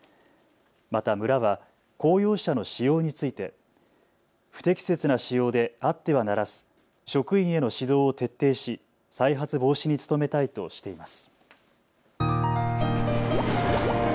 また村は公用車の使用について不適切な使用であってはならず職員への指導を徹底し再発防止に努めたいとしています。